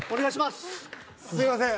すみません。